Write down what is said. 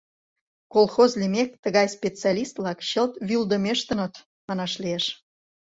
Колхоз лиймек, тыгай «специалист-влак» чылт вӱлдымештыныт, манаш лиеш.